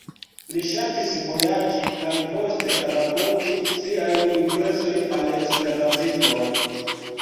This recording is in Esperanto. Li ŝatis vojaĝi kaj poste rakonti siajn impresojn al esperantistoj.